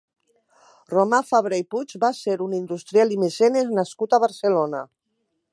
Romà Fabra i Puig va ser un industrial i mecenes nascut a Barcelona.